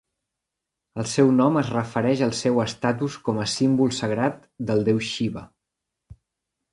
El seu nom es refereix al seu estatus com a símbol sagrat del déu Xiva.